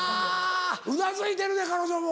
うなずいてるね彼女も。